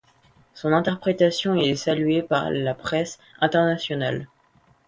Son interprétation est saluée par la presse internationale.